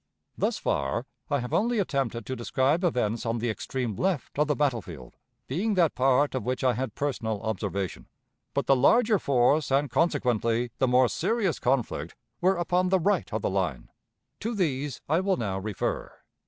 Thus far I have only attempted to describe events on the extreme left of the battle field, being that part of which I had personal observation; but the larger force and, consequently, the more serious conflict were upon the right of the line. To these I will now refer.